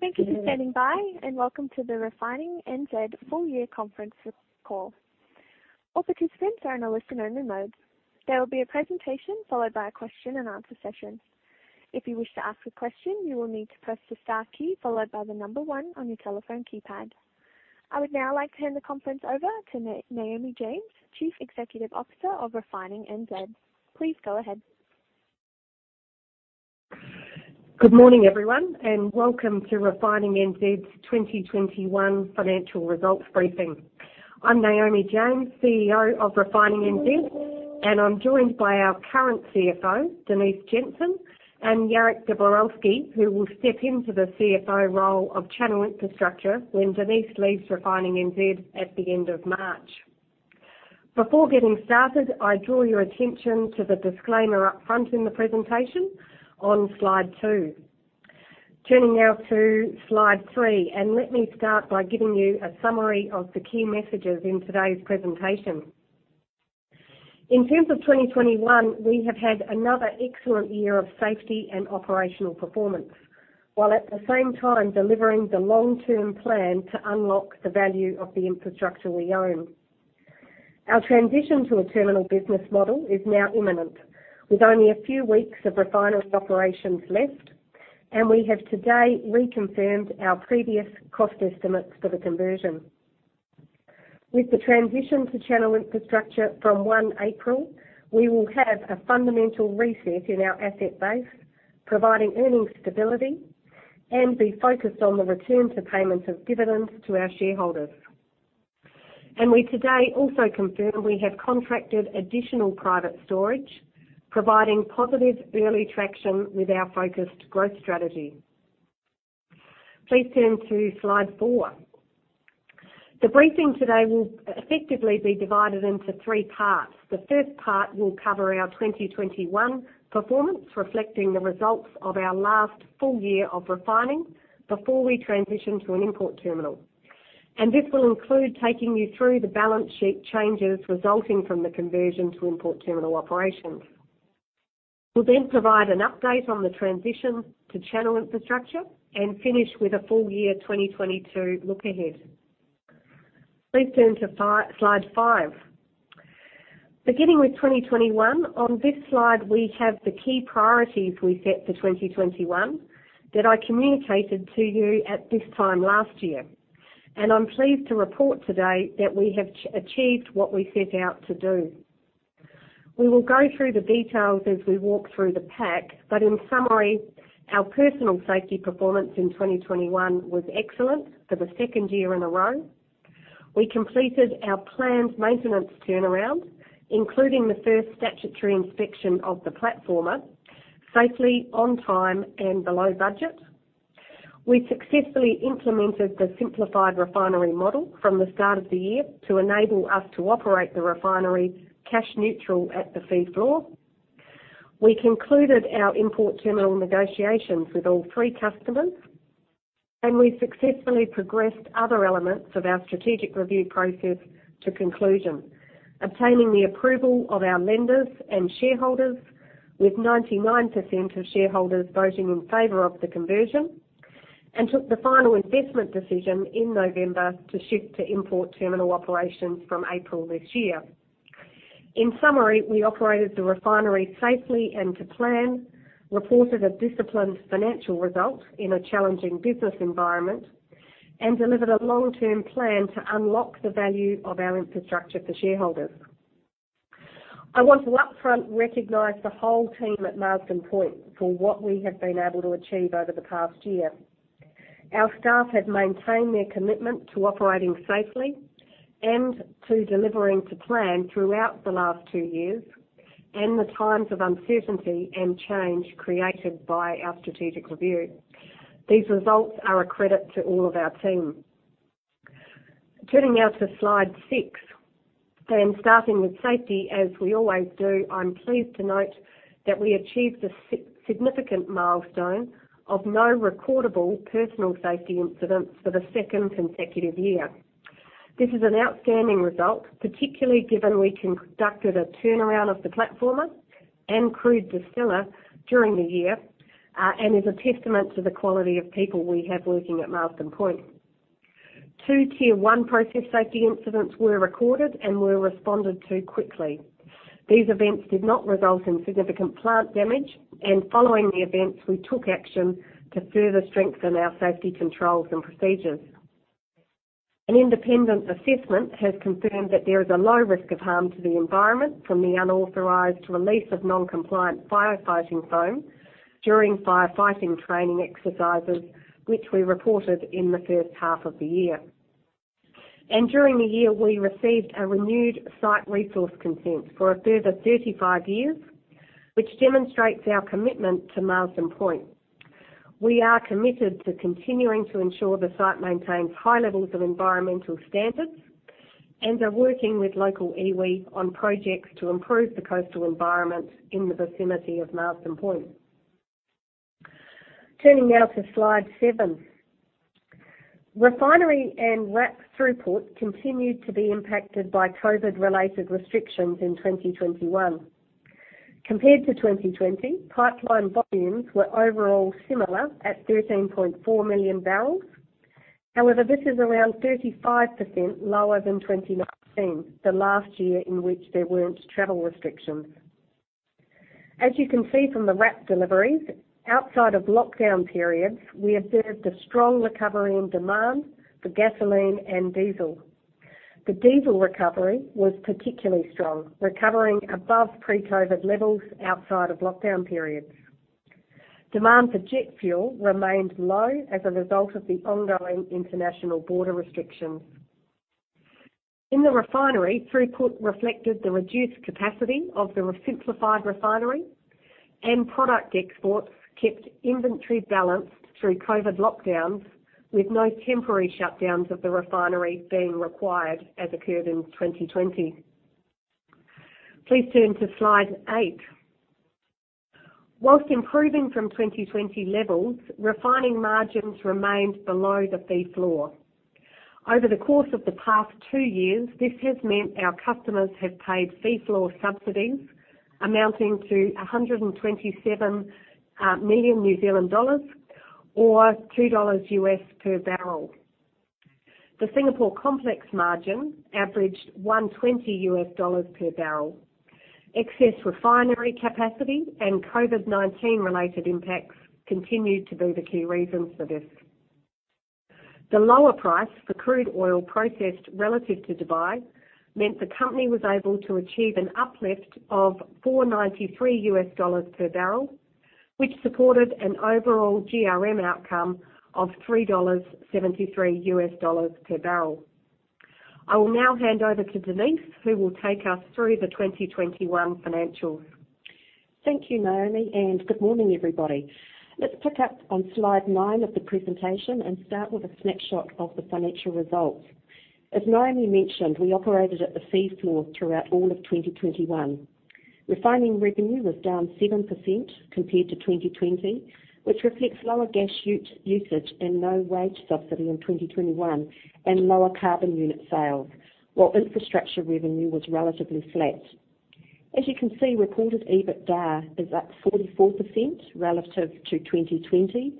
Thank you for standing by and welcome to the Refining NZ full year conference call. All participants are in a listen only mode. There will be a presentation followed by a question and answer session. If you wish to ask a question, you will need to press the star key followed by the number one on your telephone keypad. I would now like to hand the conference over to Naomi James, Chief Executive Officer of Refining NZ. Please go ahead. Good morning, everyone, and welcome to Refining NZ's 2021 financial results briefing. I'm Naomi James, CEO of Refining NZ, and I'm joined by our current CFO, Denise Jensen, and Jarek Dabrowski, who will step into the CFO role of Channel Infrastructure when Denise leaves Refining NZ at the end of March. Before getting started, I draw your attention to the disclaimer up front in the presentation on slide two. Turning now to slide three, and let me start by giving you a summary of the key messages in today's presentation. In terms of 2021, we have had another excellent year of safety and operational performance, while at the same time delivering the long term plan to unlock the value of the infrastructure we own Our transition to a terminal business model is now imminent, with only a few weeks of refinery operations left, and we have today reconfirmed our previous cost estimates for the conversion. With the transition to Channel Infrastructure from 1 April, we will have a fundamental reset in our asset base, providing earnings stability and be focused on the return to payment of dividends to our shareholders. We today also confirm we have contracted additional private storage, providing positive early traction with our focused growth strategy. Please turn to slide four. The briefing today will effectively be divided into three parts. The first part will cover our 2021 performance, reflecting the results of our last full year of refining before we transition to an import terminal. This will include taking you through the balance sheet changes resulting from the conversion to import terminal operations. We'll then provide an update on the transition to Channel Infrastructure and finish with a full year 2022 look ahead. Please turn to slide five. Beginning with 2021. On this slide we have the key priorities we set for 2021 that I communicated to you at this time last year. I'm pleased to report today that we have achieved what we set out to do. We will go through the details as we walk through the pack. In summary, our personal safety performance in 2021 was excellent for the second year in a row. We completed our planned maintenance turnaround, including the first statutory inspection of the platformer safely, on time and below budget. We successfully implemented the Simplified Refinery model from the start of the year to enable us to operate the refinery cash neutral at the fee floor. We concluded our import terminal negotiations with all three customers, and we successfully progressed other elements of our strategic review process to conclusion, obtaining the approval of our lenders and shareholders. With 99% of shareholders voting in favor of the conversion, we took the final investment decision in November to shift to import terminal operations from April this year. In summary, we operated the refinery safely and to plan, reported a disciplined financial result in a challenging business environment, and delivered a long-term plan to unlock the value of our infrastructure for shareholders. I want to up front recognize the whole team at Marsden Point for what we have been able to achieve over the past year. Our staff have maintained their commitment to operating safely and to delivering to plan throughout the last two years, and the times of uncertainty and change created by our strategic review. These results are a credit to all of our team. Turning now to slide six and starting with safety, as we always do, I'm pleased to note that we achieved a significant milestone of no recordable personal safety incidents for the second consecutive year. This is an outstanding result, particularly given we conducted a turnaround of the platformer and crude distiller during the year, and is a testament to the quality of people we have working at Marsden Point. Two tier one process safety incidents were recorded and were responded to quickly. These events did not result in significant plant damage, and following the events, we took action to further strengthen our safety controls and procedures. An independent assessment has confirmed that there is a low risk of harm to the environment from the unauthorized release of non-compliant firefighting foam during firefighting training exercises, which we reported in the first half of the year. During the year, we received a renewed site resource consent for a further 35 years, which demonstrates our commitment to Marsden Point. We are committed to continuing to ensure the site maintains high levels of environmental standards and are working with local iwi on projects to improve the coastal environment in the vicinity of Marsden Point. Turning now to slide seven. Refinery and RAP throughput continued to be impacted by COVID-related restrictions in 2021. Compared to 2020, pipeline volumes were overall similar at 13.4 million bbl. However, this is around 35% lower than 2019, the last year in which there weren't travel restrictions. As you can see from the RAP deliveries, outside of lockdown periods, we observed a strong recovery in demand for gasoline and diesel. The diesel recovery was particularly strong, recovering above pre-COVID levels outside of lockdown periods. Demand for jet fuel remained low as a result of the ongoing international border restrictions. In the refinery, throughput reflected the reduced capacity of the Simplified Refinery, and product exports kept inventory balanced through COVID lockdowns, with no temporary shutdowns of the refinery being required as occurred in 2020. Please turn to slide 8. While improving from 2020 levels, refining margins remained below the fee floor. Over the course of the past two years, this has meant our customers have paid fee floor subsidies amounting to 127 million New Zealand dollars or $2 U.S. per bbl. The Singapore complex margin averaged $120 per bbl. Excess refinery capacity and COVID-19 related impacts continued to be the key reasons for this. The lower price for crude oil processed relative to Dubai meanbt the company was able to achieve an uplift of $4.93 per bbl, which supported an overall GRM outcome of $3.73 per bbl. I will now hand over to Denise, who will take us through the 2021 financials. Thank you, Naomi, and good morning, everybody. Let's pick up on slide nine of the presentation and start with a snapshot of the financial results. As Naomi mentioned, we operated at the fee floor throughout all of 2021. Refining revenue was down 7% compared to 2020, which reflects lower gas usage and no wage subsidy in 2021 and lower carbon unit sales, while infrastructure revenue was relatively flat. As you can see, reported EBITDA is up 44% relative to 2020.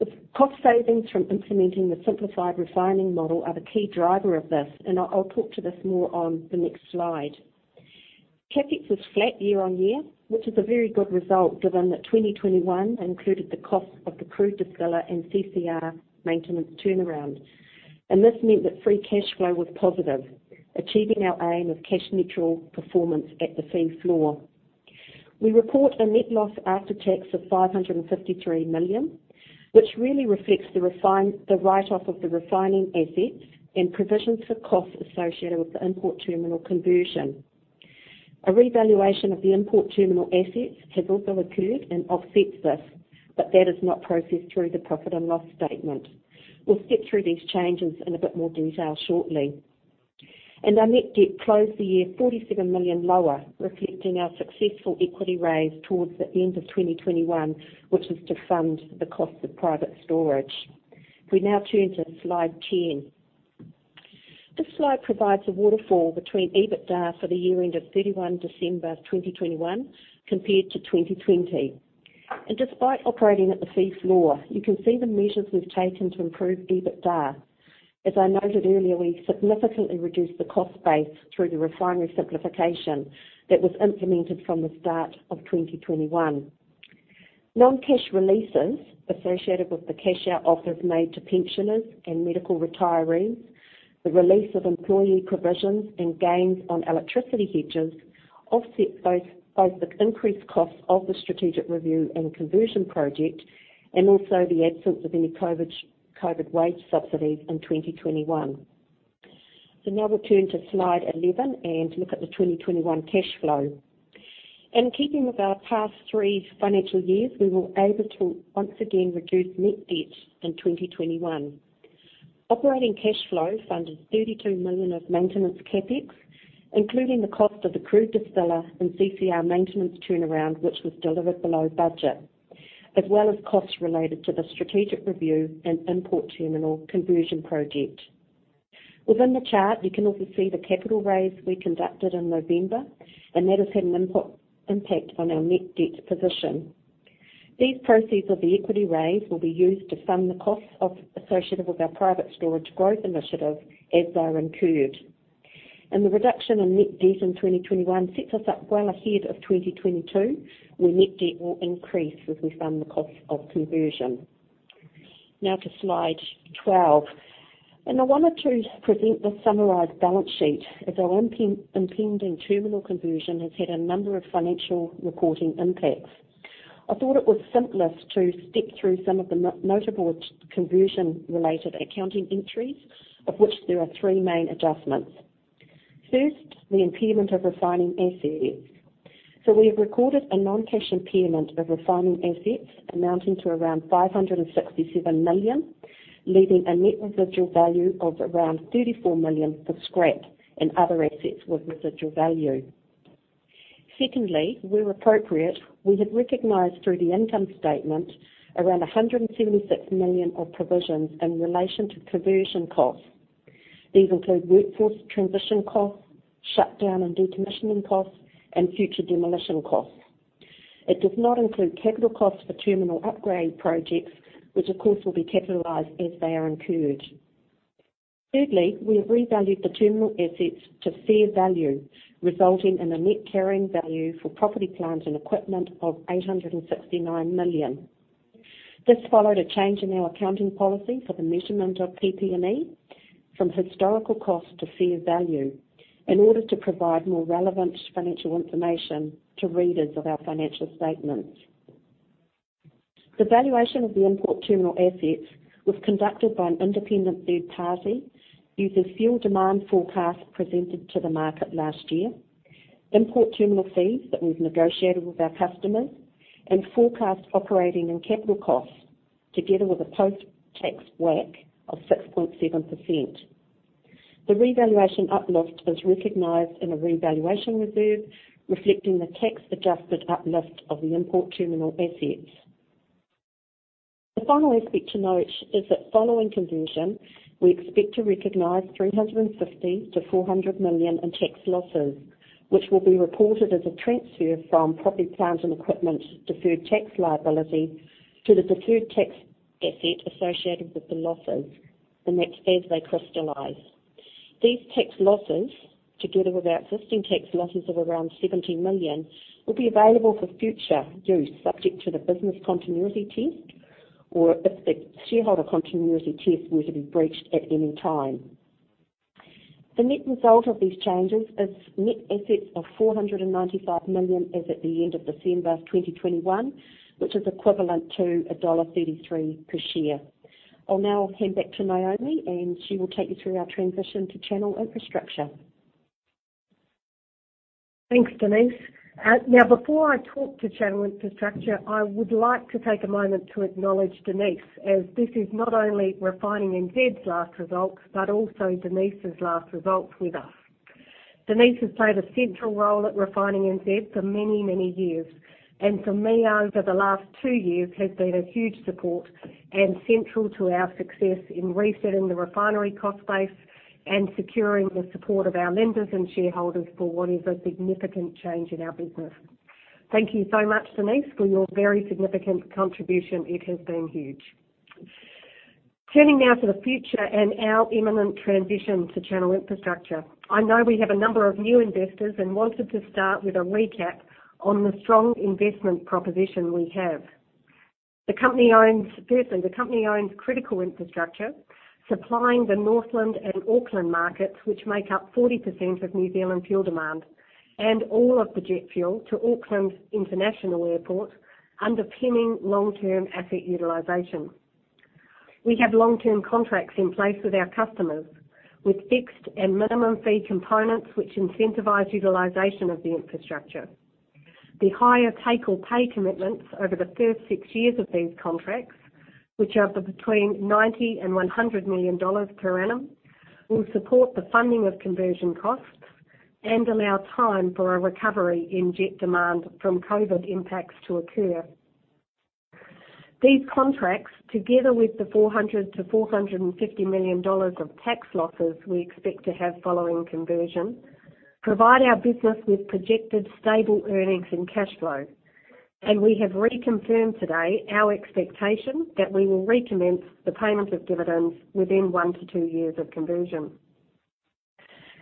The cost savings from implementing the Simplified Refinery model are the key driver of this, and I'll talk to this more on the next slide. CapEx was flat year on year, which is a very good result given that 2021 included the cost of the crude distiller and CCR maintenance turnaround. This meant that free cash flow was positive, achieving our aim of cash-neutral performance at the fee floor. We report a net loss after tax of 553 million, which really reflects the write-off of the refining assets and provisions for costs associated with the import terminal conversion. A revaluation of the import terminal assets has also occurred and offsets this, but that is not processed through the profit and loss statement. We'll step through these changes in a bit more detail shortly. Our net debt closed the year 47 million lower, reflecting our successful equity raise towards the end of 2021, which was to fund the cost of private placement. We now turn to slide 10. This slide provides a waterfall between EBITDA for the year end of 31 December 2021 compared to 2020. Despite operating at the fee floor, you can see the measures we've taken to improve EBITDA. As I noted earlier, we significantly reduced the cost base through the refinery simplification that was implemented from the start of 2021. Non-cash releases associated with the cash out offers made to pensioners and medical retirees, the release of employee provisions and gains on electricity hedges offset both the increased costs of the strategic review and conversion project and also the absence of any COVID wage subsidies in 2021. Now, we'll turn to slide 11 and look at the 2021 cash flow. In keeping with our past three financial years, we were able to once again reduce net debt in 2021. Operating cash flow funded 32 million of maintenance CapEx, including the cost of the crude distiller and CCR maintenance turnaround, which was delivered below budget, as well as costs related to the strategic review and import terminal conversion project. Within the chart, you can also see the capital raise we conducted in November, and that has had an impact on our net debt position. These proceeds of the equity raise will be used to fund the costs associated with our private storage growth initiative as they are incurred. The reduction in net debt in 2021 sets us up well ahead of 2022, where net debt will increase as we fund the cost of conversion. Now, to slide 12. I wanted to present this summarized balance sheet as our impending terminal conversion has had a number of financial reporting impacts. I thought it was simplest to step through some of the notable conversion-related accounting entries, of which there are three main adjustments. First, the impairment of refining assets. We have recorded a non-cash impairment of refining assets amounting to around 567 million, leaving a net residual value of around 34 million for scrap and other assets with residual value. Secondly, where appropriate, we have recognized through the income statement around 176 million of provisions in relation to conversion costs. These include workforce transition costs, shutdown and decommissioning costs, and future demolition costs. It does not include capital costs for terminal upgrade projects, which of course will be capitalized as they are incurred. Thirdly, we have revalued the terminal assets to fair value, resulting in a net carrying value for property, plant, and equipment of 869 million. This followed a change in our accounting policy for the measurement of PP&E from historical cost to fair value in order to provide more relevant financial information to readers of our financial statements. The valuation of the import terminal assets was conducted by an independent third party using fuel demand forecast presented to the market last year, import terminal fees that we've negotiated with our customers, and forecast operating and capital costs together with a post-tax WACC of 6.7%. The revaluation uplift is recognized in a revaluation reserve, reflecting the tax-adjusted uplift of the import terminal assets. The final aspect to note is that following conversion, we expect to recognize 350 million-400 million in tax losses, which will be reported as a transfer from property, plant, and equipment deferred tax liability to the deferred tax asset associated with the losses, and that's as they crystallize. These tax losses, together with our existing tax losses of around 70 million, will be available for future use, subject to the business continuity test or if the shareholder continuity test were to be breached at any time. The net result of these changes is net assets of 495 million as at the end of December 2021, which is equivalent to dollar 1.33 per share. I'll now hand back to Naomi, and she will take you through our transition to Channel Infrastructure. Thanks, Denise. Now, before I talk to Channel Infrastructure, I would like to take a moment to acknowledge Denise, as this is not only Refining NZ's last results but also Denise's last results with us. Denise has played a central role at Refining NZ for many, many years, and for me, over the last two years, has been a huge support and central to our success in resetting the refinery cost base and securing the support of our lenders and shareholders for what is a significant change in our business. Thank you so much, Denise, for your very significant contribution. It has been huge. Turning now to the future and our imminent transition to Channel Infrastructure. I know we have a number of new investors and wanted to start with a recap on the strong investment proposition we have. The company owns critical infrastructure, supplying the Northland and Auckland markets, which make up 40% of New Zealand fuel demand, and all of the jet fuel to Auckland's international airport, underpinning long-term asset utilization. We have long-term contracts in place with our customers, with fixed and minimum fee components which incentivize utilization of the infrastructure. The higher take-or-pay commitments over the first six years of these contracts, which are between 90 million and 100 million dollars per annum, will support the funding of conversion costs and allow time for a recovery in jet demand from COVID impacts to occur. These contracts, together with the 400 million-450 million dollars of tax losses we expect to have following conversion, provide our business with projected stable earnings and cash flow. We have reconfirmed today our expectation that we will recommence the payment of dividends within one to two years of conversion.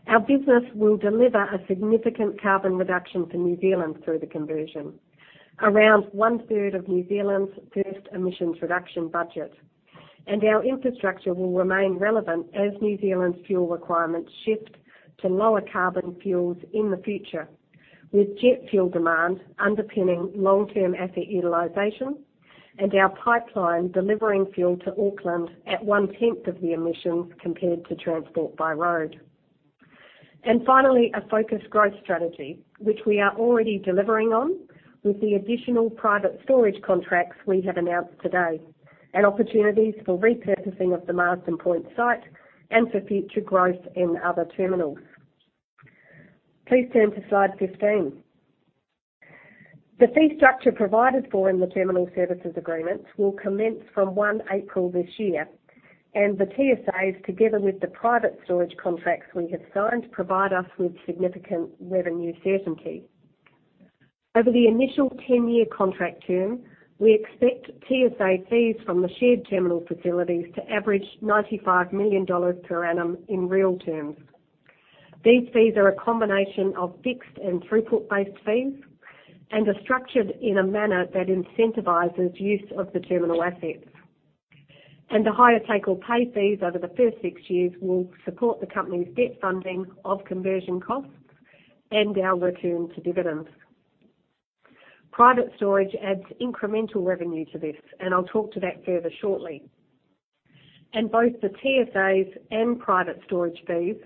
Our business will deliver a significant carbon reduction for New Zealand through the conversion, around one-third of New Zealand's first emissions reduction budget. Our infrastructure will remain relevant as New Zealand's fuel requirements shift to lower carbon fuels in the future, with jet fuel demand underpinning long-term asset utilization and our pipeline delivering fuel to Auckland at one-tenth of the emissions compared to transport by road. Finally, a focused growth strategy, which we are already delivering on with the additional private storage contracts we have announced today and opportunities for repurposing of the Marsden Point site and for future growth in other terminals. Please turn to slide 15. The fee structure provided for in the terminal services agreements will commence from 1 April this year. The TSAs, together with the private storage contracts we have signed, provide us with significant revenue certainty. Over the initial 10-year contract term, we expect TSA fees from the shared terminal facilities to average 95 million dollars per annum in real terms. These fees are a combination of fixed and throughput-based fees and are structured in a manner that incentivizes use of the terminal assets. The higher take-or-pay fees over the first six years will support the company's debt funding of conversion costs and our return to dividends. Private storage adds incremental revenue to this, and I'll talk to that further shortly. Both the TSAs and private storage fees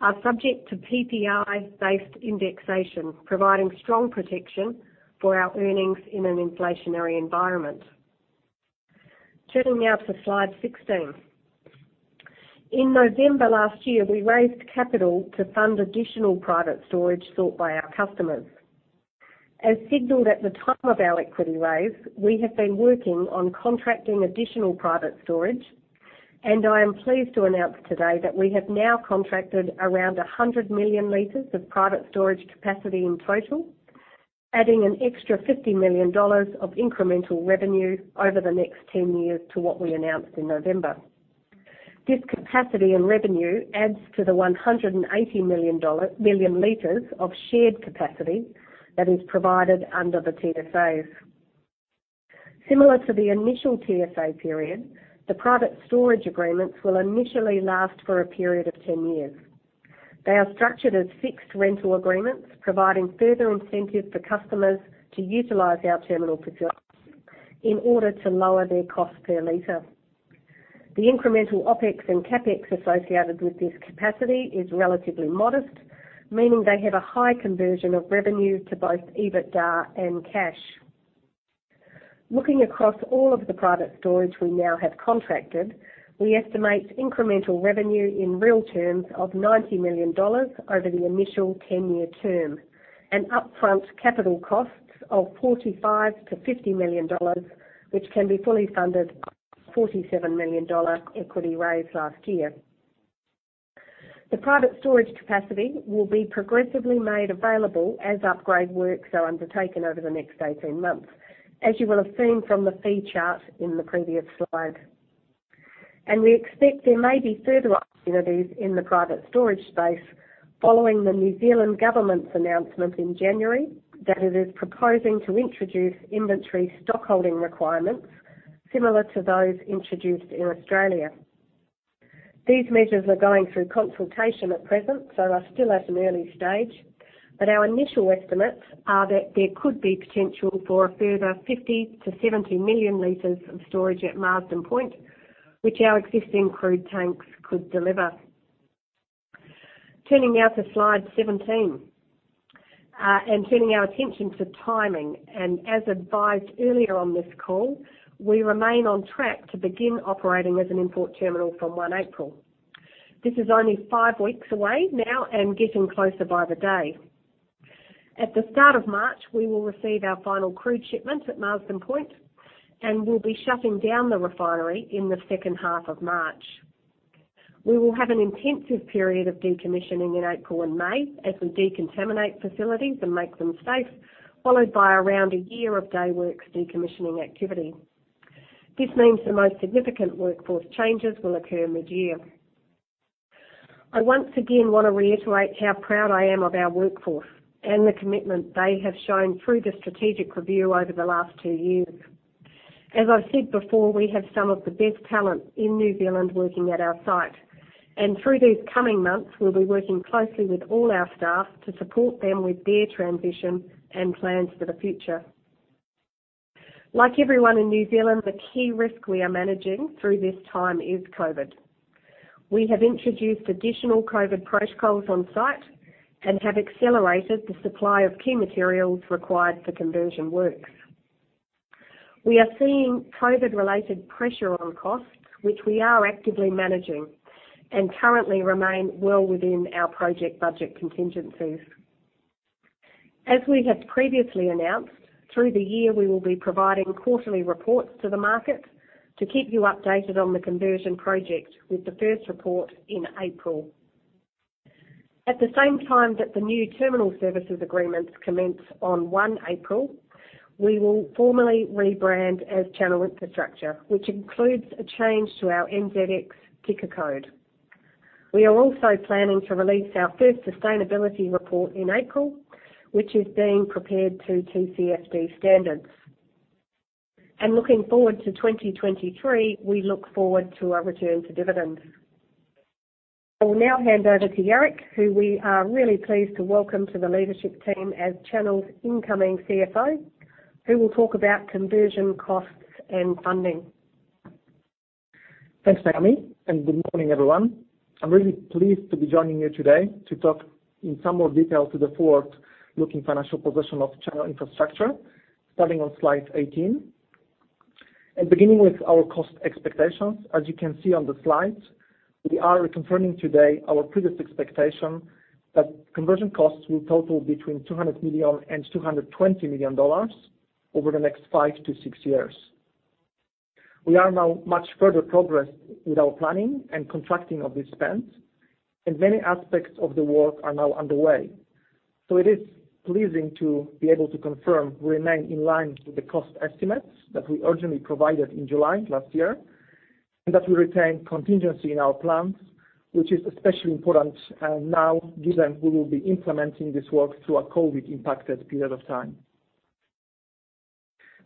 are subject to PPI-based indexation, providing strong protection for our earnings in an inflationary environment. Turning now to slide 16. In November last year, we raised capital to fund additional private storage sought by our customers. As signaled at the time of our equity raise, we have been working on contracting additional private storage, and I am pleased to announce today that we have now contracted around 100 million liters of private storage capacity in total, adding an extra 50 million dollars of incremental revenue over the next 10 years to what we announced in November. This capacity and revenue adds to the 180 million liters of shared capacity that is provided under the TSAs. Similar to the initial TSA period, the private storage agreements will initially last for a period of 10 years. They are structured as fixed rental agreements, providing further incentive for customers to utilize our terminal facilities in order to lower their cost per liter. The incremental OpEx and CapEx associated with this capacity is relatively modest, meaning they have a high conversion of revenue to both EBITDA and cash. Looking across all of the private storage we now have contracted, we estimate incremental revenue in real terms of 90 million dollars over the initial 10-year term, and upfront capital costs of 45 million-50 million dollars, which can be fully funded, 47 million dollar equity raise last year. The private storage capacity will be progressively made available as upgrade works are undertaken over the next 18 months, as you will have seen from the fee chart in the previous slide. We expect there may be further opportunities in the private storage space following the New Zealand government's announcement in January that it is proposing to introduce inventory stock holding requirements similar to those introduced in Australia. These measures are going through consultation at present, so are still at an early stage, but our initial estimates are that there could be potential for a further 50-70 million liters of storage at Marsden Point, which our existing crude tanks could deliver. Turning now to slide 17, and turning our attention to timing, and as advised earlier on this call, we remain on track to begin operating as an import terminal from 1 April. This is only five weeks away now and getting closer by the day. At the start of March, we will receive our final crude shipment at Marsden Point, and we'll be shutting down the refinery in the second half of March. We will have an intensive period of decommissioning in April and May as we decontaminate facilities and make them safe, followed by around a year of daywork decommissioning activity. This means the most significant workforce changes will occur mid-year. I once again wanna reiterate how proud I am of our workforce and the commitment they have shown through the strategic review over the last two years. As I've said before, we have some of the best talent in New Zealand working at our site, and through these coming months, we'll be working closely with all our staff to support them with their transition and plans for the future. Like everyone in New Zealand, the key risk we are managing through this time is COVID. We have introduced additional COVID protocols on-site and have accelerated the supply of key materials required for conversion works. We are seeing COVID-related pressure on costs, which we are actively managing and currently remain well within our project budget contingencies. As we have previously announced, through the year, we will be providing quarterly reports to the market to keep you updated on the conversion project with the first report in April. At the same time that the new terminal services agreements commence on 1 April, we will formally rebrand as Channel Infrastructure, which includes a change to our NZX ticker code. We are also planning to release our first sustainability report in April, which is being prepared to TCFD standards. Looking forward to 2023, we look forward to our return to dividends. I will now hand over to Jarek, who we are really pleased to welcome to the leadership team as Channel's incoming CFO, who will talk about conversion costs and funding. Thanks, Naomi, and good morning, everyone. I'm really pleased to be joining you today to talk in some more detail to the forward-looking financial position of Channel Infrastructure starting on slide 18. Beginning with our cost expectations, as you can see on the slides, we are confirming today our previous expectation that conversion costs will total between 200 million and 220 million dollars over the next five to six years. We are now much further progressed with our planning and contracting of these spends, and many aspects of the work are now underway. It is pleasing to be able to confirm we remain in line with the cost estimates that we originally provided in July last year, and that we retain contingency in our plans, which is especially important now given we will be implementing this work through a COVID-impacted period of time.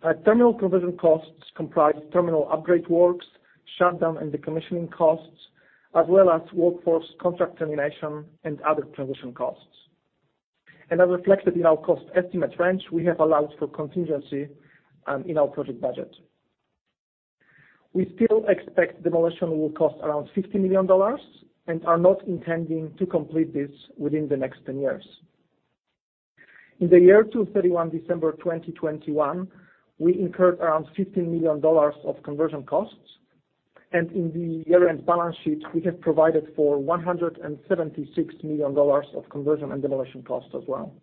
Our terminal conversion costs comprise terminal upgrade works, shutdown and decommissioning costs, as well as workforce contract termination and other transition costs. As reflected in our cost estimate range, we have allowed for contingency in our project budget. We still expect demolition will cost around 50 million dollars and are not intending to complete this within the next 10 years. In the year to 31 December 2021, we incurred around 15 million dollars of conversion costs. In the year-end balance sheet, we have provided for 176 million dollars of conversion and demolition costs as well.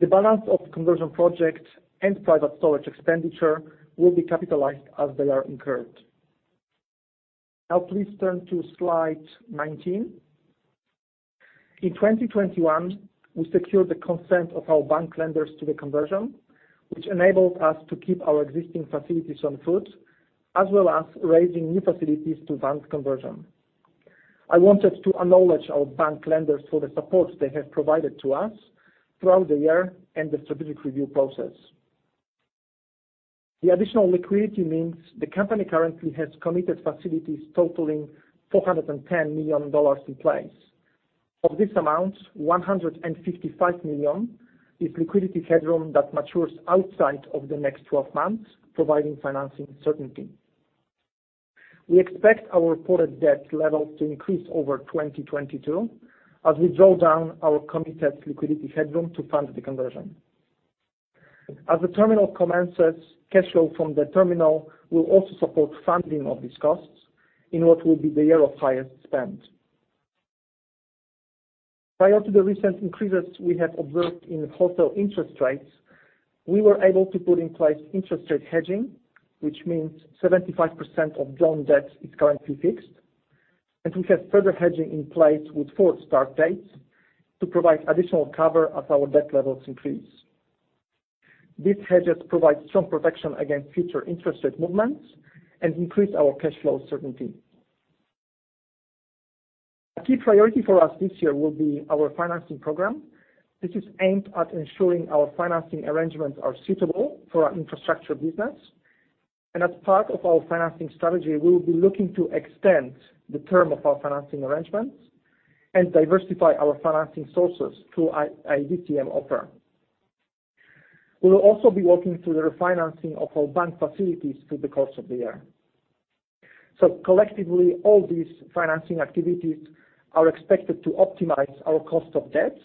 The balance of conversion projects and private storage expenditure will be capitalized as they are incurred. Now, please turn to slide 19. In 2021, we secured the consent of our bank lenders to the conversion, which enabled us to keep our existing facilities on foot, as well as raising new facilities to advance conversion. I wanted to acknowledge our bank lenders for the support they have provided to us throughout the year and the strategic review process. The additional liquidity means the company currently has committed facilities totaling 410 million dollars in place. Of this amount, 155 million is liquidity headroom that matures outside of the next 12 months, providing financing certainty. We expect our reported debt levels to increase over 2022 as we draw down our committed liquidity headroom to fund the conversion. As the terminal commences, cash flow from the terminal will also support funding of these costs in what will be the year of highest spend. Prior to the recent increases we have observed in wholesale interest rates, we were able to put in place interest rate hedging, which means 75% of loan debt is currently fixed. We have further hedging in place with four start dates to provide additional cover as our debt levels increase. These hedges provide some protection against future interest rate movements and increase our cash flow certainty. A key priority for us this year will be our financing program. This is aimed at ensuring our financing arrangements are suitable for our infrastructure business. As part of our financing strategy, we will be looking to extend the term of our financing arrangements and diversify our financing sources through an MTN offer. We will also be working through the refinancing of our bank facilities through the course of the year. Collectively, all these financing activities are expected to optimize our cost of debt,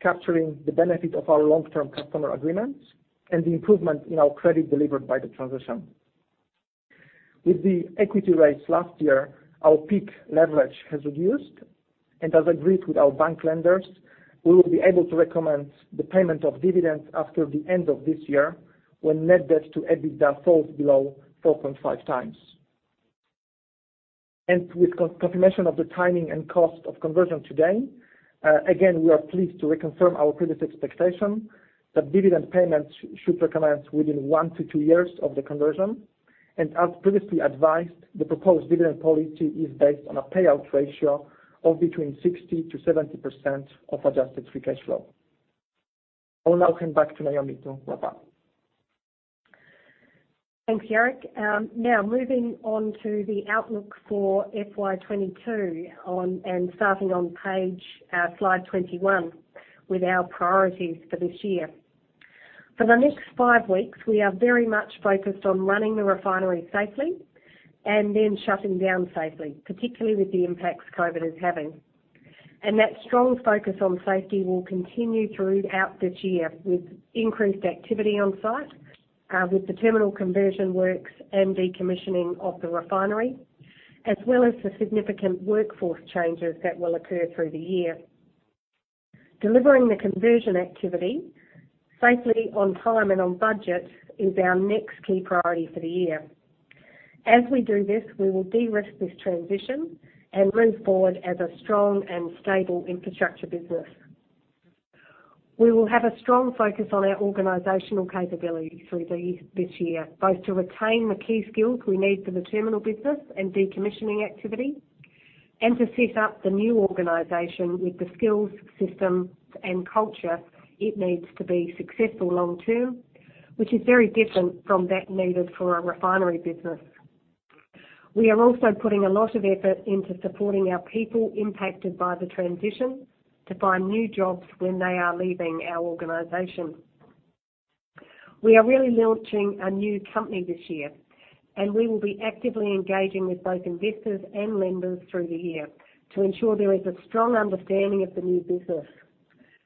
capturing the benefit of our long-term customer agreements and the improvement in our credit delivered by the transition. With the equity rates last year, our peak leverage has reduced. As agreed with our bank lenders, we will be able to recommend the payment of dividends after the end of this year when net debt to EBITDA falls below 4.5x. With confirmation of the timing and cost of conversion today, again, we are pleased to reconfirm our previous expectation that dividend payments should commence within one to two years of the conversion. As previously advised, the proposed dividend policy is based on a payout ratio of between 60%-70% of adjusted free cash flow. I'll now hand back to Naomi to wrap up. Thank you, Jarek. Now, moving on to the outlook for FY 2022 on and starting on slide 21 with our priorities for this year. For the next five weeks, we are very much focused on running the refinery safely and then shutting down safely, particularly with the impacts COVID is having. That strong focus on safety will continue throughout this year with increased activity on site, with the terminal conversion works and decommissioning of the refinery, as well as the significant workforce changes that will occur through the year. Delivering the conversion activity safely, on time, and on budget is our next key priority for the year. As we do this, we will de-risk this transition and move forward as a strong and stable infrastructure business. We will have a strong focus on our organizational capability throughout this year, both to retain the key skills we need for the terminal business and decommissioning activity, and to set up the new organization with the skills, systems, and culture it needs to be successful long term, which is very different from that needed for a refinery business. We are also putting a lot of effort into supporting our people impacted by the transition to find new jobs when they are leaving our organization. We are really launching a new company this year, and we will be actively engaging with both investors and lenders through the year to ensure there is a strong understanding of the new business.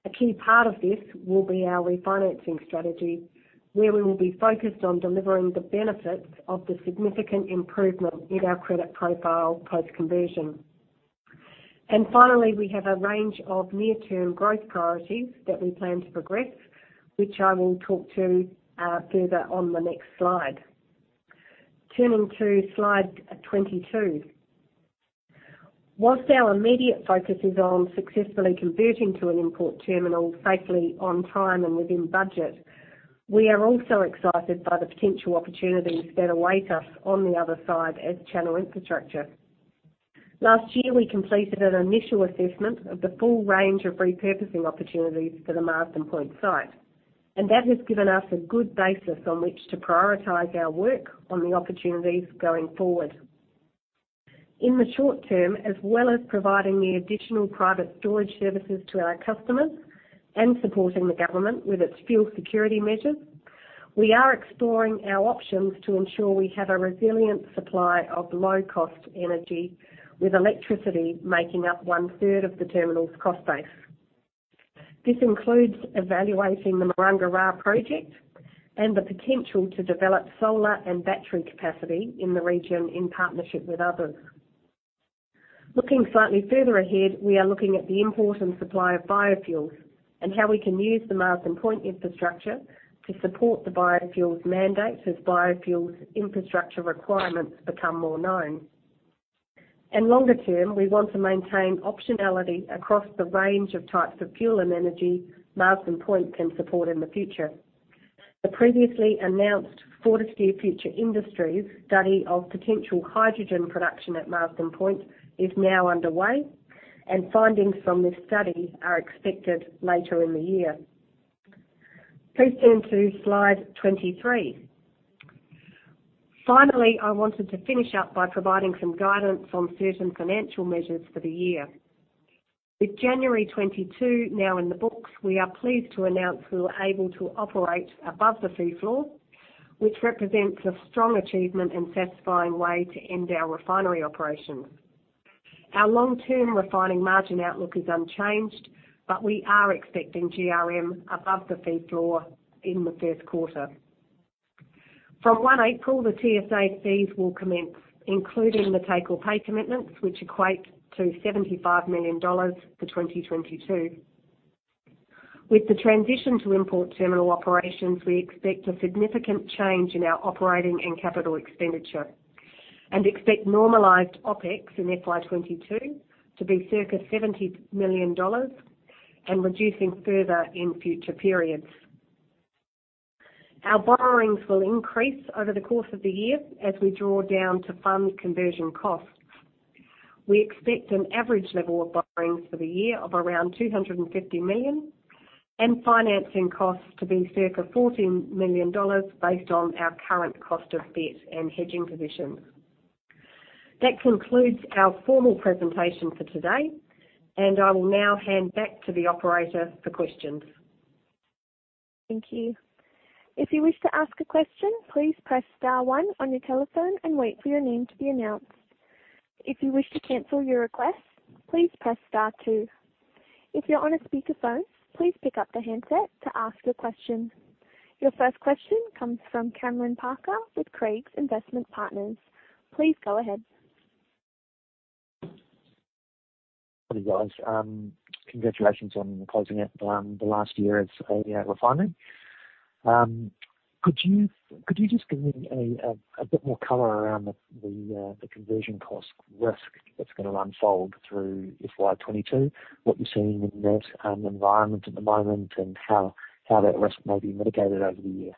A key part of this will be our refinancing strategy, where we will be focused on delivering the benefits of the significant improvement in our credit profile post-conversion. Finally, we have a range of near-term growth priorities that we plan to progress, which I will talk to further on the next slide. Turning to slide 22. While our immediate focus is on successfully converting to an import terminal safely, on time, and within budget, we are also excited by the potential opportunities that await us on the other side as Channel Infrastructure. Last year, we completed an initial assessment of the full range of repurposing opportunities for the Marsden Point site, and that has given us a good basis on which to prioritize our work on the opportunities going forward. In the short term, as well as providing the additional private storage services to our customers and supporting the government with its fuel security measures. We are exploring our options to ensure we have a resilient supply of low-cost energy, with electricity making up 1/3 of the terminal's cost base. This includes evaluating the Maranga Rā project and the potential to develop solar and battery capacity in the region in partnership with others. Looking slightly further ahead, we are looking at the import and supply of biofuels and how we can use the Marsden Point infrastructure to support the biofuels mandates as biofuels infrastructure requirements become more known. Longer term, we want to maintain optionality across the range of types of fuel and energy Marsden Point can support in the future. The previously announced Fortescue Future Industries study of potential hydrogen production at Marsden Point is now underway, and findings from this study are expected later in the year. Please turn to slide 23. Finally, I wanted to finish up by providing some guidance on certain financial measures for the year. With January 2022 now in the books, we are pleased to announce we were able to operate above the fee floor, which represents a strong achievement and satisfying way to end our refinery operations. Our long-term refining margin outlook is unchanged, but we are expecting GRM above the fee floor in the first quarter. From 1 April, the TSA fees will commence, including the take-or-pay commitments, which equate to NZD 75 million for 2022. With the transition to import terminal operations, we expect a significant change in our operating and capital expenditure and expect normalized OpEx in FY 2022 to be circa 70 million dollars and reducing further in future periods. Our borrowings will increase over the course of the year as we draw down to fund conversion costs. We expect an average level of borrowings for the year of around 250 million and financing costs to be circa 14 million dollars based on our current cost of debt and hedging positions. That concludes our formal presentation for today, and I will now hand back to the operator for questions. Thank you. If you wish to ask a question please press star one on your telephone and wait for your name to be announced. If you wish to cancel your request please press star two. If you are on speaker phone please pick up the handset to ask your question. Your first question comes from Cameron Parker with Craigs Investment Partners. Please go ahead. Good morning, guys. Congratulations on closing out the last year as a refinery. Could you just give me a bit more color around the conversion cost risk that's gonna unfold through FY 2022, what you're seeing in that environment at the moment, and how that risk may be mitigated over the year?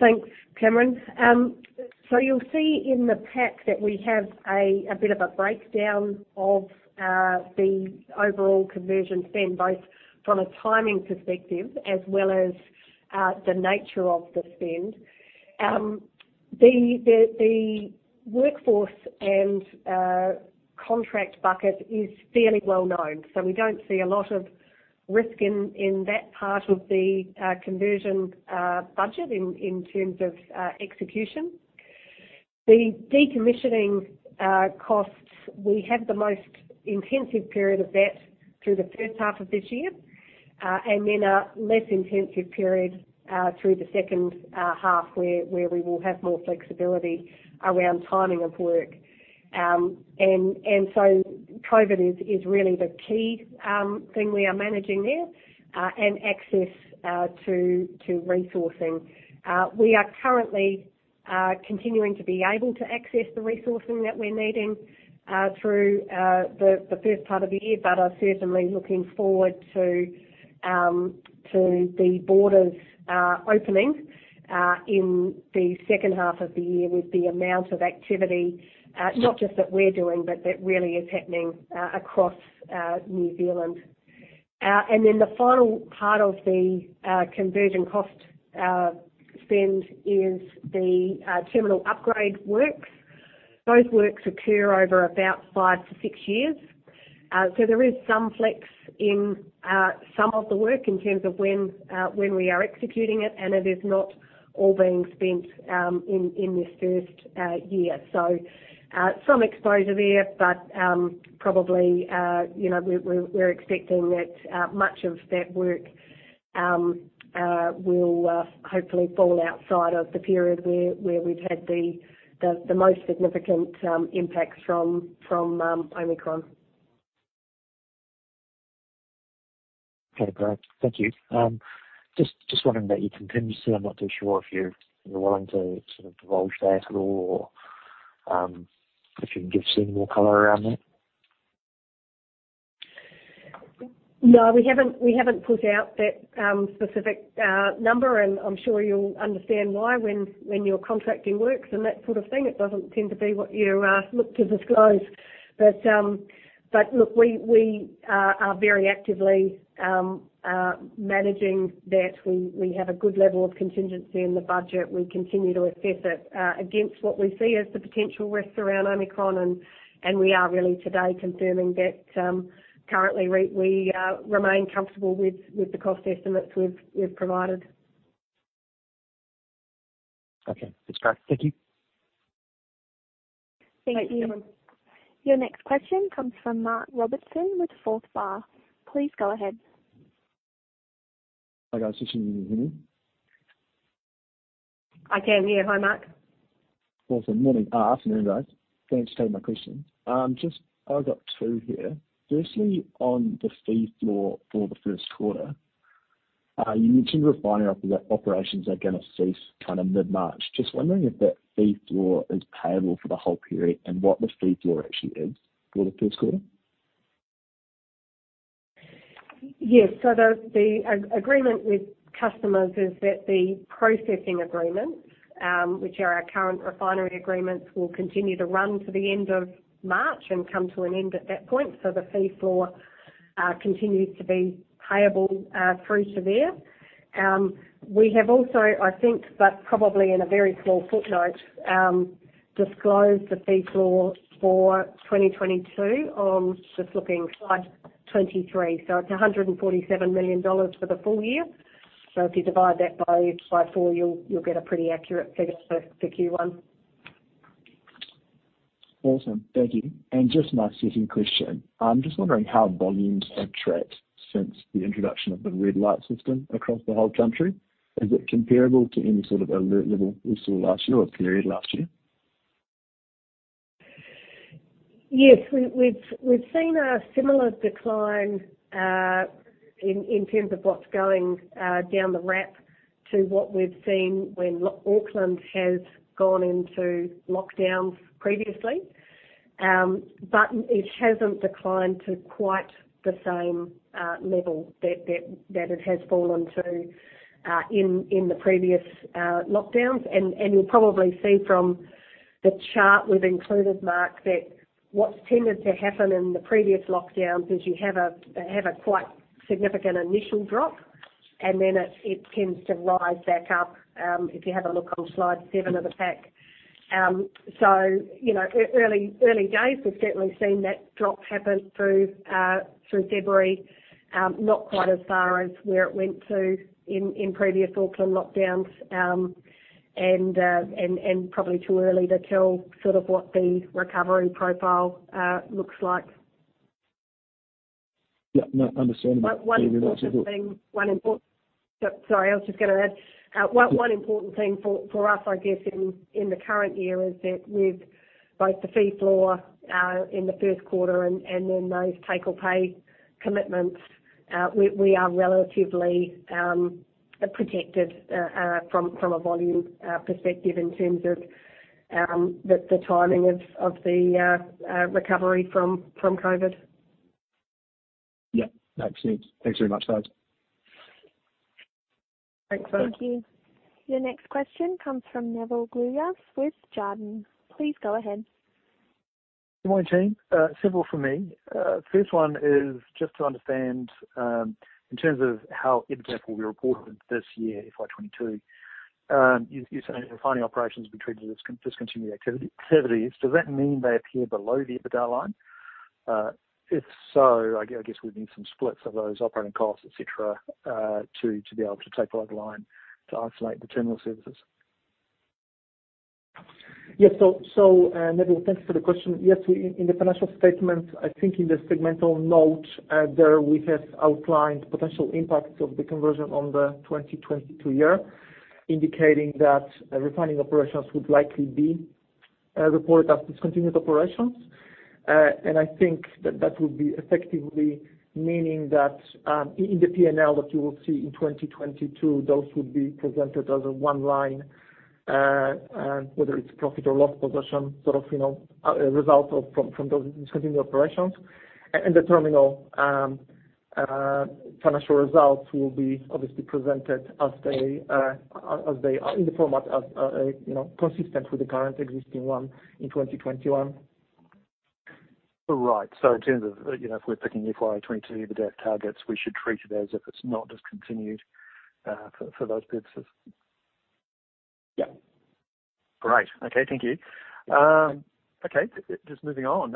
Thanks, Cameron. So you'll see in the pack that we have a bit of a breakdown of the overall conversion spend, both from a timing perspective as well as the nature of the spend. The workforce and contract bucket is fairly well-known, so we don't see a lot of risk in that part of the conversion budget in terms of execution. The decommissioning costs, we have the most intensive period of that through the first half of this year, and then a less intensive period through the second half, where we will have more flexibility around timing of work. COVID is really the key thing we are managing there, and access to resourcing. We are currently continuing to be able to access the resourcing that we're needing through the first part of the year. We are certainly looking forward to the borders opening in the second half of the year with the amount of activity not just that we're doing, but that really is happening across New Zealand. The final part of the conversion cost spend is the terminal upgrade works. Those works occur over about five to six years. There is some flex in some of the work in terms of when we are executing it, and it is not all being spent in this first year. Some exposure there, but probably, you know, we're expecting that much of that work will hopefully fall outside of the period where we've had the most significant impacts from Omicron. Okay, great. Thank you. Just wondering about your contingency. I'm not too sure if you're willing to sort of divulge that at all, or if you can give us any more color around that. No, we haven't put out that specific number, and I'm sure you'll understand why when you're contracting works and that sort of thing. It doesn't tend to be what you look to disclose. But look, we are very actively managing that. We have a good level of contingency in the budget. We continue to assess it against what we see as the potential risks around Omicron, and we are really today confirming that currently we remain comfortable with the cost estimates we've provided. Okay. It's correct. Thank you. Thank you. Thanks, Cameron. Your next question comes from Mark Robertson with Forsyth Barr. Please go ahead. Hi, guys. This is Mark. Can you hear me? I can, yeah. Hi, Mark. Awesome. Morning, afternoon, guys. Thanks for taking my question. Just, I've got two here. Firstly, on the fee floor for the first quarter, you mentioned refinery operations are gonna cease kinda mid-March. Just wondering if that fee floor is payable for the whole period, and what the fee floor actually is for the first quarter. Yes. The agreement with customers is that the processing agreement, which are our current refinery agreements, will continue to run to the end of March and come to an end at that point. The fee floor continues to be payable through to there. We have also, I think, but probably in a very small footnote, disclosed the fee floor for 2022 on, just looking, slide 23. It's 147 million dollars for the full year. If you divide that by four, you'll get a pretty accurate figure for Q1. Awesome. Thank you. Just my second question. I'm just wondering how volumes have tracked since the introduction of the red light system across the whole country. Is it comparable to any sort of alert level we saw last year or period last year? Yes. We've seen a similar decline in terms of what's going down the ramp to what we've seen when Auckland has gone into lockdowns previously. But it hasn't declined to quite the same level that it has fallen to in the previous lockdowns. You'll probably see from the chart we've included, Mark, that what's tended to happen in the previous lockdowns is you have a quite significant initial drop, and then it tends to rise back up if you have a look on slide seven of the pack. You know, early days, we've certainly seen that drop happen through February, not quite as far as where it went to in previous Auckland lockdowns. Probably too early to tell sort of what the recovery profile looks like. Yeah, no, understandable. Sorry, I was just gonna add. One important thing for us, I guess, in the current year is that with both the fee floor in the first quarter and then those take or pay commitments, we are relatively protected from a volume perspective in terms of the timing of the recovery from COVID. Yeah. Makes sense. Thanks very much, guys. Thanks, Mark. Thank you. Your next question comes from Nevill Gluyas with Jarden. Please go ahead. Good morning, team. Several from me. First one is just to understand in terms of how EBITDA will be reported this year, FY 2022, you're saying refining operations will be treated as discontinued activities. Does that mean they appear below the EBITDA line? If so, I guess, we'd need some splits of those operating costs, et cetera, to be able to take that line to isolate the terminal services. Yes, Nevill, thanks for the question. In the financial statement, I think in the segmental note, there we have outlined potential impacts of the conversion on the 2022 year, indicating that refining operations would likely be reported as discontinued operations. I think that would be effectively meaning that in the P&L that you will see in 2022, those would be presented as a one-line, whether it's profit or loss position, sort of, you know, a result from those discontinued operations. The terminal financial results will be obviously presented as they are in the format, you know, consistent with the current existing one in 2021. Right. In terms of, you know, if we're picking FY 2022 EBITDA targets, we should treat it as if it's not discontinued for those purposes. Yeah. Great. Okay. Thank you. Okay. Just moving on.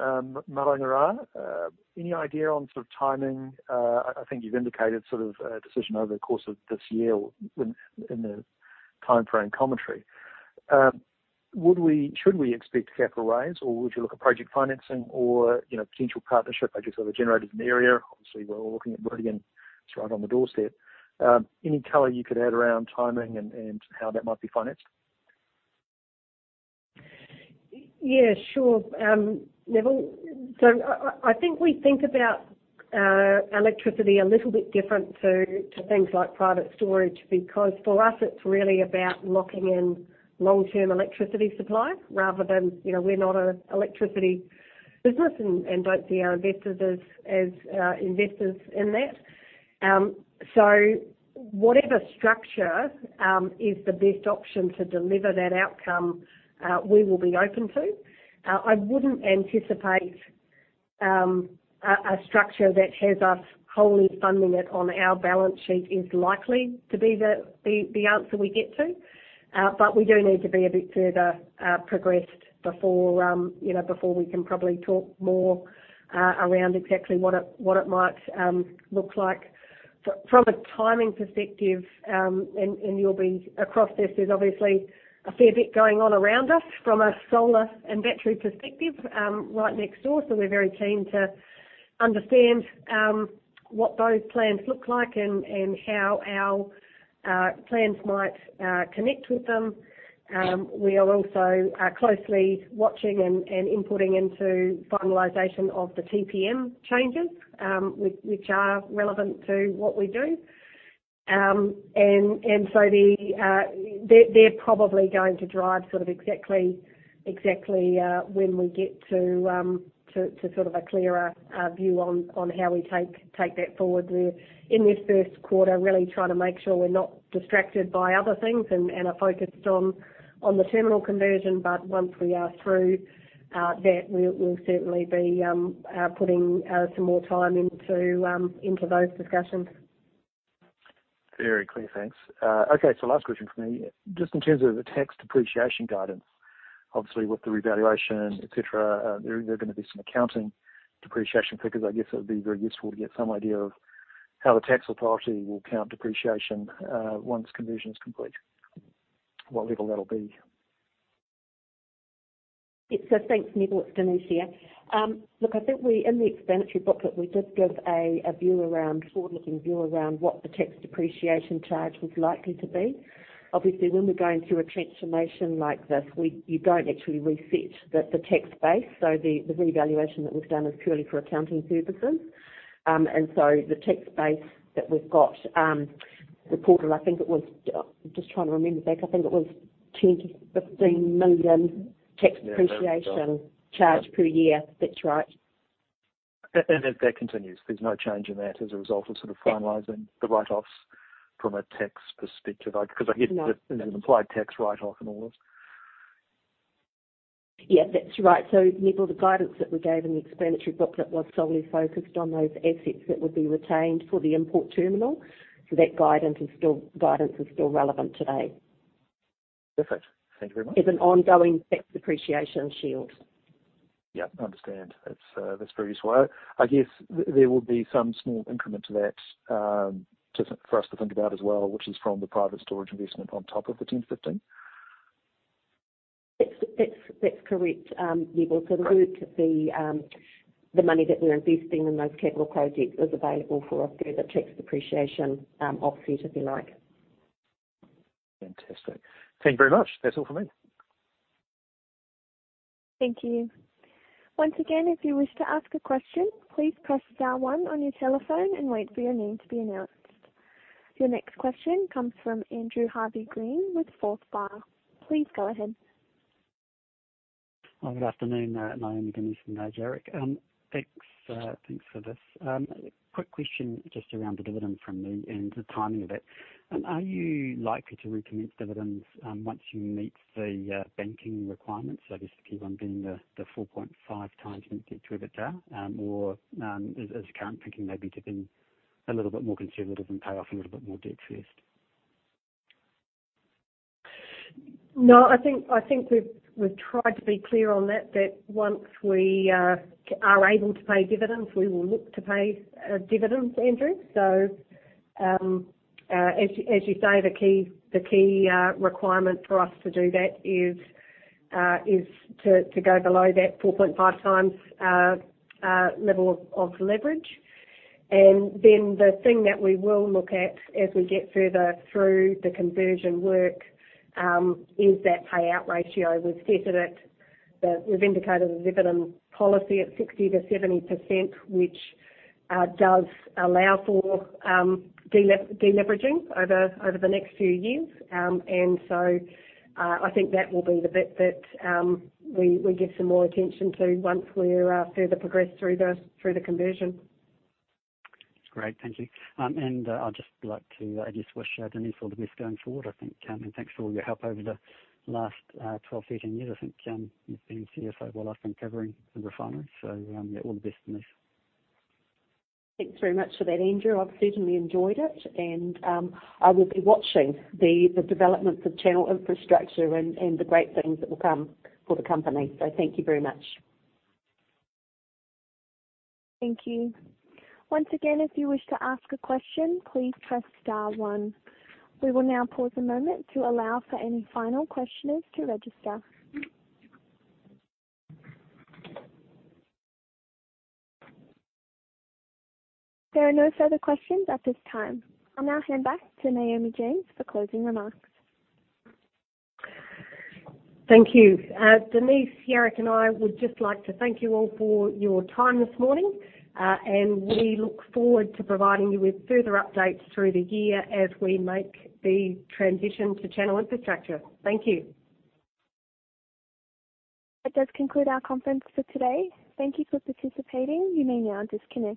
Maranga Rā, any idea on sort of timing? I think you've indicated sort of a decision over the course of this year or in the timeframe commentary. Should we expect capital raise, or would you look at project financing or, you know, potential partnership projects that are generated in the area? Obviously, we're all looking at Meridian. It's right on the doorstep. Any color you could add around timing and how that might be financed? Yes. Sure, Nevill. I think we think about electricity a little bit different to things like private storage, because for us it's really about locking in long-term electricity supply rather than, you know, we're not a electricity business and don't see our investors as investors in that. Whatever structure is the best option to deliver that outcome, we will be open to. I wouldn't anticipate a structure that has us wholly funding it on our balance sheet is likely to be the answer we get to. We do need to be a bit further progressed before, you know, before we can probably talk more around exactly what it might look like. From a timing perspective, and you'll be across this, there's obviously a fair bit going on around us from a solar and battery perspective, right next door. We're very keen to understand what those plans look like and how our plans might connect with them. We are also closely watching and inputting into finalization of the TPM changes, which are relevant to what we do. They're probably going to drive sort of exactly when we get to a clearer view on how we take that forward. In this first quarter, we're really trying to make sure we're not distracted by other things and are focused on the terminal conversion. Once we are through that we'll certainly be putting some more time into those discussions. Very clear. Thanks. Okay, last question for me. Just in terms of the tax depreciation guidance, obviously, with the revaluation, et cetera, there are gonna be some accounting depreciation figures. I guess, it would be very useful to get some idea of how the tax authority will count depreciation, once conversion is complete. What level that'll be? Thanks, Nevill. It's Denise here. Look, I think in the explanatory booklet, we did give a forward-looking view around what the tax depreciation charge was likely to be. Obviously, when we're going through a transformation like this, you don't actually reset the tax base. The revaluation that we've done is purely for accounting purposes. The tax base that we've got reported, I think it was just trying to remember back. I think it was 10 million-15 million tax depreciation charge per year. That's right. That continues. There's no change in that as a result of sort of finalizing the write-offs from a tax perspective. 'Cause I guess there's an implied tax write-off in all this. Yeah, that's right. Nevill, the guidance that we gave in the explanatory booklet was solely focused on those assets that would be retained for the import terminal. That guidance is still relevant today. Perfect. Thank you very much. There's an ongoing tax depreciation shield. Yeah, I understand. That's very useful. I guess there will be some small increment to that for us to think about as well, which is from the private storage investment on top of the 10-15. That's correct, Nevill. The money that we're investing in those capital projects is available for a further tax depreciation offset, if you like. Fantastic. Thank you very much. That's all from me. Thank you. Once again, if you wish to ask a question, please press star one on your telephone and wait for your name to be announced. Your next question comes from Andrew Harvey-Green with Forsyth Barr. Please go ahead. Well, good afternoon, Naomi, Denise, and Jarek. Thanks for this. Quick question just around the dividend from me and the timing of it. Are you likely to recommence dividends once you meet the banking requirements, so just to keep on being the 4.5x net debt to EBITDA? Or is your current thinking maybe to be a little bit more conservative and pay off a little bit more debt first? No, I think we've tried to be clear on that once we are able to pay dividends, we will look to pay dividends, Andrew. As you say, the key requirement for us to do that is to go below that 4.5x level of leverage. The thing that we will look at as we get further through the conversion work is that payout ratio. We've indicated the dividend policy at 60%-70%, which does allow for deleveraging over the next few years. I think that will be the bit that we give some more attention to once we're further progressed through the conversion. That's great. Thank you. I'd just like to just wish Denise all the best going forward, I think. Thanks for all your help over the last 12-13 years. I think you've been CFO while I've been covering the refinery. Yeah, all the best, Denise. Thanks very much for that, Andrew. I've certainly enjoyed it and I will be watching the developments of Channel Infrastructure and the great things that will come for the company. Thank you very much. Thank you. Once again, if you wish to ask a question, please press star one. We will now pause a moment to allow for any final questioners to register. There are no further questions at this time. I'll now hand back to Naomi James for closing remarks. Thank you. Denise, Jarek, and I would just like to thank you all for your time this morning, and we look forward to providing you with further updates through the year as we make the transition to Channel Infrastructure. Thank you. That does conclude our conference for today. Thank you for participating. You may now disconnect.